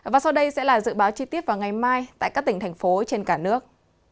và sau đây sẽ là dự báo chi tiết vào ngày mai tại các tỉnh thành phố trên cả nước